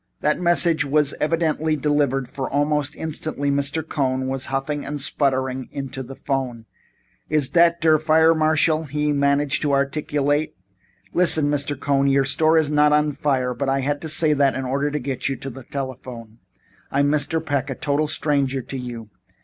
That message was evidently delivered for almost instantly Mr. B. Cohn was puffing and spluttering into the phone. "Iss dot der fire marshal?" he managed to articulate. "Listen, Mr. Cohn. Your store is not on fire, but I had to say so in order to get you to the telephone. I am Mr. Peck, a total stranger to you.